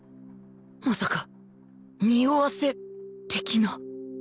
まさか匂わせ的な